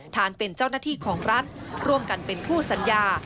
ฐานเป็นเจ้าหน้าที่ของรัฐร่วมกันเป็นผู้สัญญา